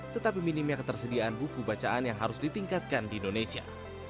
tetapi minimnya ketersediaan buku bacaan yang harus ditingkatkan di indonesia